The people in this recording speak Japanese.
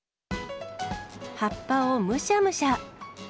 葉っぱをむしゃむしゃ。